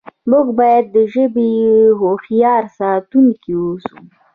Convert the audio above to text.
موږ باید د ژبې هوښیار ساتونکي اوسو.